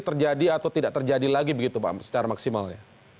terjadi atau tidak terjadi lagi begitu pak secara maksimal ya